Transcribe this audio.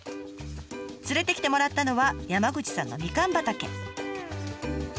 連れてきてもらったのは山口さんのみかん畑。